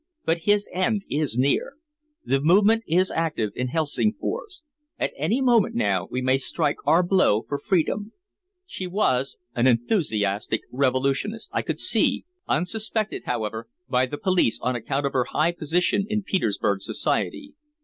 "But his end is near. The Movement is active in Helsingfors. At any moment now we may strike our blow for freedom." She was an enthusiastic revolutionist, I could see, unsuspected, however, by the police on account of her high position in Petersburg society.